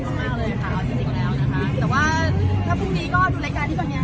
ก็เป็นเขาที่ส่งมาเองแฮ้มันก็มีคนไปแจ้วเขา